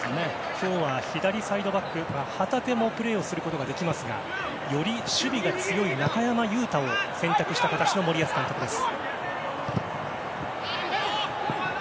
今日は左サイドバックで旗手もプレーをすることができますがより守備が強い中山雄太を選択した形の森保監督です。